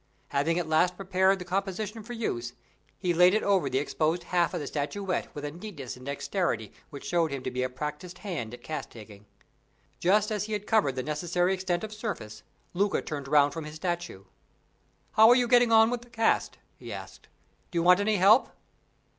Having at last prepared the composition for use, he laid it over the exposed half of the statuette with a neatness and dexterity which showed him to be a practiced hand at cast taking. Just as he had covered the necessary extent of surface, Luca turned round from his statue. "How are you getting on with the cast?" he asked. "Do you want any help?"